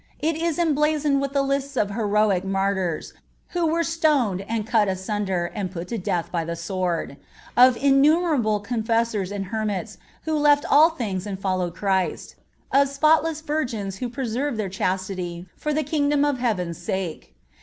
It is emblazoned with the lists of heroic Martyrs who "were stoned, and cut asunder, and put to death by the sword;"(42) of innumerable Confessors and Hermits who left all things and followed Christ; of spotless virgins who preserved their chastity for the Kingdom of Heaven's sake.